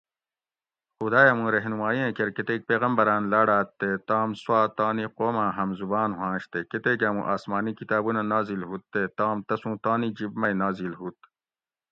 خدایہ مُوں رہنمائی ایں کیر کتیک پیغمبراۤن لاڑاۤت تے تام سوا تانی قوماۤں ہم زبان ہوانش تے کۤتیک آمو آسمانی کتابونہ نازل ہُوت تے تام تسوں تانی جِب مئی نازل ہُوت